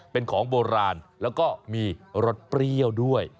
เป็นของโบราณแล้วก็มีรสเปรี้ยวด้วย